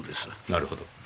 なるほど。